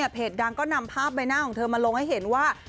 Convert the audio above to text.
เพจดังก็นำภาพใบหน้าของเธอมาลงให้เห็นว่า